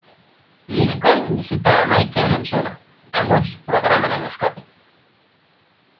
Lincoln visita a Michael en Sona, ambos programan el escape.